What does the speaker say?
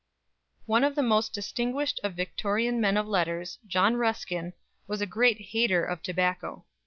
One of the most distinguished of Victorian men of letters, John Ruskin, was a great hater of tobacco.